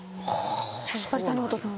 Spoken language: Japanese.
やっぱり谷本さん。